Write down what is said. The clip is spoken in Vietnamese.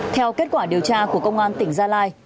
theo kết quả điều tra của công an tỉnh gia lai